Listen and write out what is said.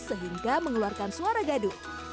sehingga mengeluarkan suara gaduh